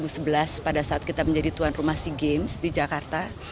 sejak dua ribu sebelas pada saat kita menjadi tuan rumah sea games di jakarta